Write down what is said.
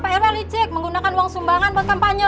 pak rw licik menggunakan uang sumbangan buat kampanye